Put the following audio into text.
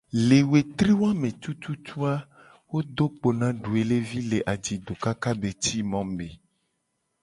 Le wetri wa me tutu a, wo do kpo doelevi le ajido kaka be ci mo me .